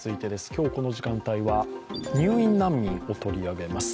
今日この時間帯は、入院難民を取り上げます。